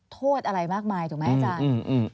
โทษอะไรมากมายถูกไหมอาจารย์